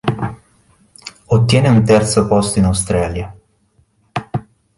Ottiene un terzo posto in Australia.